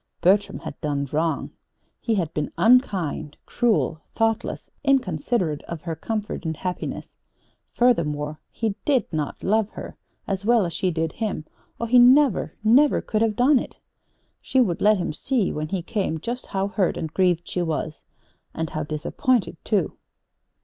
Bertram had done wrong. He had been unkind, cruel, thoughtless, inconsiderate of her comfort and happiness. Furthermore he did not love her as well as she did him or he never, never could have done it! She would let him see, when he came, just how hurt and grieved she was and how disappointed, too.